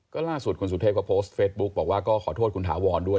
ก็ล่าสุดคุณสุเทพก็โพสต์เฟซบุ๊กบอกว่าก็ขอโทษคุณถาวรด้วย